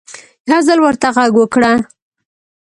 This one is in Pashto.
يو ځل ورته غږ وکړه